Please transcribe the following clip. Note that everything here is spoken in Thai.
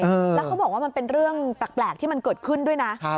แล้วเขาบอกว่ามันเป็นเรื่องแปลกที่มันเกิดขึ้นด้วยนะ